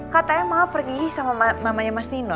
katanya maaf pergi sama mamanya mas nino